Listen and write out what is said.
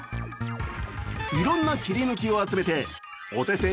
いろんな切り抜きを集めてお手製